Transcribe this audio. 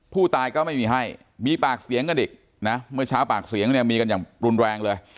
ผู้ตายก็ไม่มีให้มีปากเสียงกันอีกนะเมื่อเช้าปากเสียงเนี่ยมีกันอย่างรุนแรงเลย